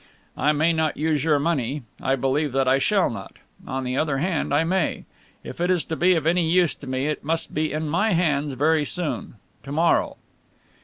I may not use your money I believe that I shall not. On the other hand, I may. If it is to be of any use to me it must be in my hands very soon to morrow."